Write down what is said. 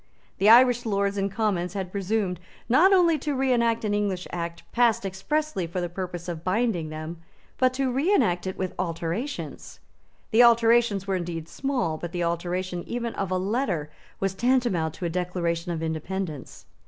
The Irish Lords and Commons had presumed, not only to reenact an English Act passed expressly for the purpose of binding them, but to reenact it with alterations. The alterations were indeed small; but the alteration even of a letter was tantamount to a declaration of independence.